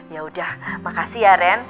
yaudah makasih ya ren